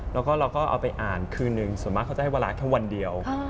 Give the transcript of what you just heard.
แล้วก็เราก็เอาไปอ่านคืนหนึ่งส่วนมากเขาจะให้เวลาแค่วันเดียว